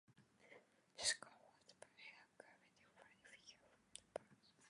The second was Budi Harjono a Government-friendly figure whom the Government backed.